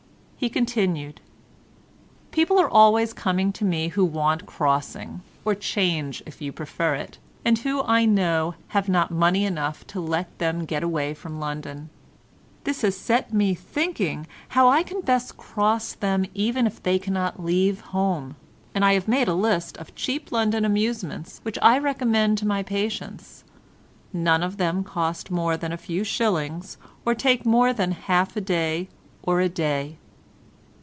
He continued:— "People are always coming to me who want crossing, or change, if you prefer it, and who I know have not money enough to let them get away from London. This has set me thinking how I can best cross them even if they cannot leave home, and I have made a list of cheap London amusements which I recommend to my patients; none of them cost more than a few shillings or take more than half a day or a day."